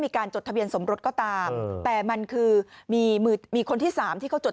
มีการจดทะเบียนสมรสก็ตามแต่มันคือมีมีคนที่๓ที่เขาจด